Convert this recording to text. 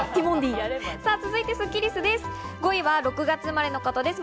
続いてスッキりすです。